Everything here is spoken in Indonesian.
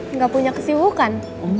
enggak punya kesibukan